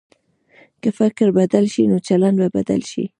که فکر بدل شي، نو چلند به بدل شي.